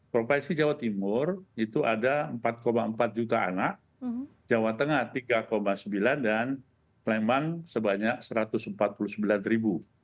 provinsi jawa timur itu ada empat empat juta anak jawa tengah tiga sembilan dan lembang sebanyak satu ratus empat puluh sembilan ribu